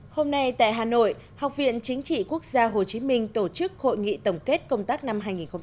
hôm nay tại hà nội học viện chính trị quốc gia hồ chí minh tổ chức hội nghị tổng kết công tác năm hai nghìn một mươi chín